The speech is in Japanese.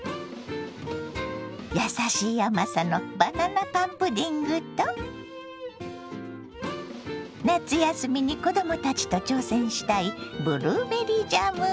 やさしい甘さのバナナパンプディングと夏休みに子供たちと挑戦したいブルーベリージャムはいかが。